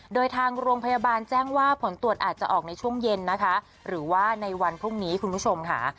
โดยทางโรงพยาบาลแจ้งว่าผลตรวจอาจจะออกในช่วงเย็นนะคะหรือว่าในวันพรุ่งนี้คุณผู้ชมค่ะ